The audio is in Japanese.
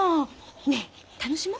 ねえ楽しもう！